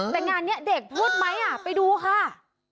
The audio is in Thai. แต่งานนี้เด็กพูดไหมไปดูค่ะ